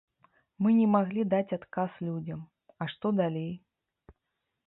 Мы не маглі даць адказ людзям, а што далей?